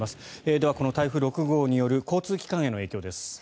ではこの台風６号による交通機関への影響です。